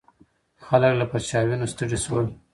خلک له پرچاوینو ستړي شول.